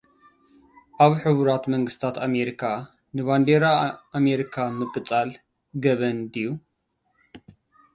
ኣብ ሕቡራት መንግስታት ኣሜሪካ፡ ንባንዴራ ኣሜሪካ ምቕጻል ገበን ድዩ?